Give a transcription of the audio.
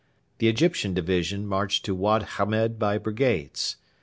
The Egyptian division marched to Wad Hamed by brigades.